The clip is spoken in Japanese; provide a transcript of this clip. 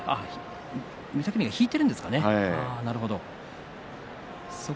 御嶽海は引いているんですね。